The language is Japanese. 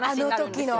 あの時の。